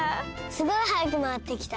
すごい早くまわってきた。